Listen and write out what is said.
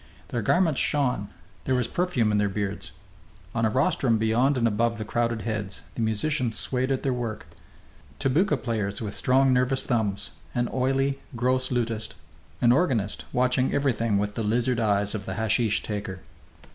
Their garments shone; there was perfume in their beards. On a rostrum beyond and above the crowded heads the musicians swayed at their work tabouka players with strong, nervous thumbs; an oily, gross lutist; an organist, watching everything with the lizard eyes of the hashish taker.